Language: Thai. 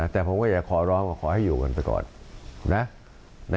แต่ผมก็อยากขอร้องว่าขอให้อยู่กันไปก่อนนะ